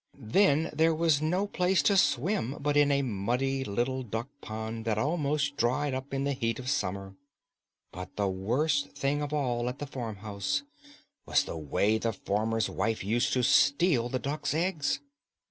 Then there was no place to swim but in a muddy little duck pond that almost dried up in the heat of summer. But the worst thing of all at the farmhouse was the way the farmer's wife used to steal the duck's eggs.